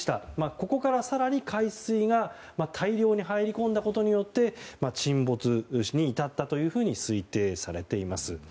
ここから更に海水が大量に入り込んだことによって沈没に至ったと推定されています。